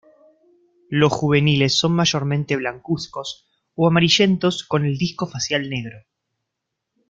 Los juveniles son mayormente blancuzcos o amarillentos con el disco facial negro.